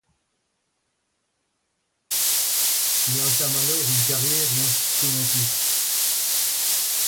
Il entame alors une carrière d'instrumentiste.